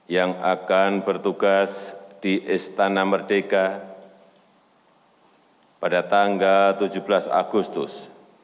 yang akan bertugas di istana merdeka pada tanggal tujuh belas agustus dua ribu delapan belas